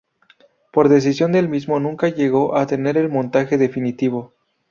Por decisión del mismo nunca llegó a tener el montaje definitivo.